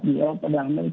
di eropa dan amerika